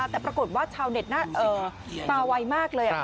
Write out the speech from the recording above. แต่ปรากฏว่าชาวเน็ตน่ะเอ่อมาไวมากเลยอ่ะครับ